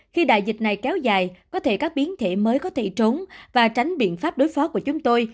khi đại dịch này kéo dài có thể các biến thể mới có thể trốn và tránh biện pháp đối phó của chúng tôi